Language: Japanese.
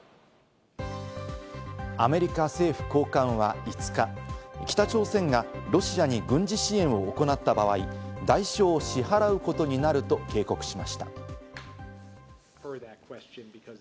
アメリカ政府高官は５日、北朝鮮がロシアに軍事支援を行った場合、代償を支払うことになると警告しました。